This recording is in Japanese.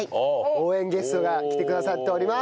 応援ゲストが来てくださっております。